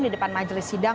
di depan majelis sidang